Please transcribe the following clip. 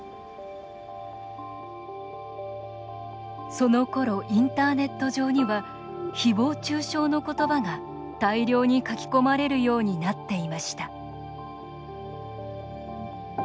そのころインターネット上にはひぼう中傷の言葉が大量に書き込まれるようになっていました。